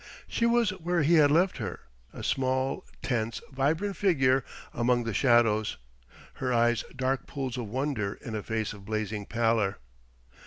She was where he had left her, a small, tense, vibrant figure among the shadows, her eyes dark pools of wonder in a face of blazing pallor.